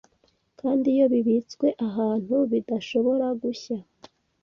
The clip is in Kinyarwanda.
kandi iyo bibitswe ahantu bidashobora gushya